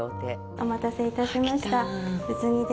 お待たせいたしました。来た。